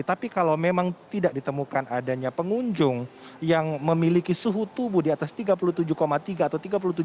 tapi kalau memang tidak ditemukan adanya pengunjung yang memiliki suhu tubuh di atas tiga puluh tujuh tiga atau tiga puluh tujuh